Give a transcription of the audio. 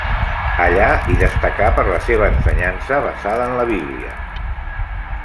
Allà hi destacà per la seva ensenyança basada en la Bíblia.